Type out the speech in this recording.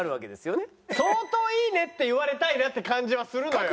相当「いいね」って言われたいなって感じはするのよ。